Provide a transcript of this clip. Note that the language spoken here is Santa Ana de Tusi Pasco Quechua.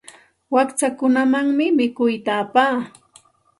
Wakchakunamanmi mikuyta apaa.